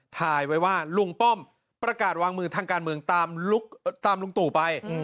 ถ่ายไว้ว่าลุงป้อมประกาศวางมือทางการเมืองตามลุงตู่ไป